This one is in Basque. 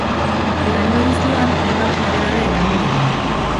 Hurrengo edizioan, hainbat nobedade egongo dira.